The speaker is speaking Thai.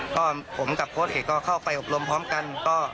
ก็ผมกับโค้ดเอกก็เข้าไปอบรมพร้อมกัน